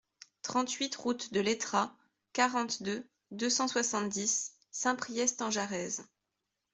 trente-huit route de L'Etrat, quarante-deux, deux cent soixante-dix, Saint-Priest-en-Jarez